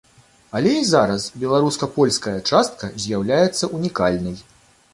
Але і зараз беларуска-польская частка з'яўляецца ўнікальнай.